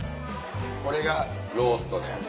これがローストのやつ。